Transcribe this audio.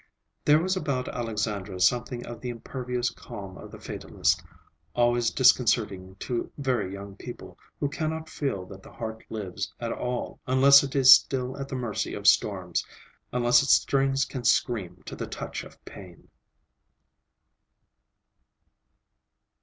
There was about Alexandra something of the impervious calm of the fatalist, always disconcerting to very young people, who cannot feel that the heart lives at all unless it is still at the mercy of storms; unless its strings can scream to the touch of pain.